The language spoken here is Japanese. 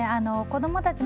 子どもたち